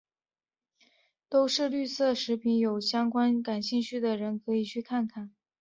都是绿色食品有相关感兴趣的人可以去看看。